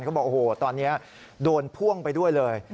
เขาบอกโอ้โหตอนนี้โดนพ่วงไปด้วยเลย